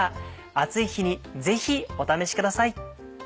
暑い日にぜひお試しください。